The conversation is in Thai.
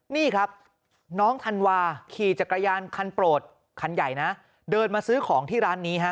นี่ครับน้องธันวาขี่จักรยานคันโปรดคันใหญ่นะเดินมาซื้อของที่ร้านนี้ฮะ